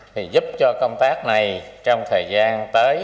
thì giúp cho công tác này trong thời gian tới